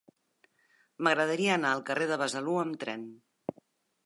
M'agradaria anar al carrer de Besalú amb tren.